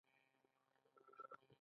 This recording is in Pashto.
پۀ کوئټه ښار کښې ميشته شو،